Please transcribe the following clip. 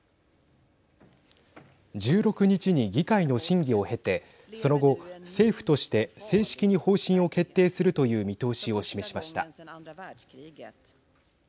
１６日に議会の審議を経てその後、政府として正式に方針を決定するという見通しを示しました。